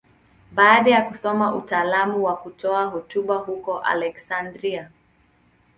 Baada ya kusoma utaalamu wa kutoa hotuba huko Aleksandria.